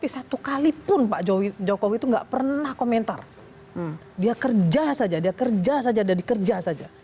satu kalipun pak jokowi itu enggak pernah komentar dia kerja saja dia kerja saja dari kerja saja